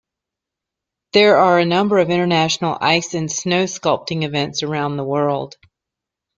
There are a number of international ice and snow sculpting events around the world.